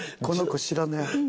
この子知らねえ。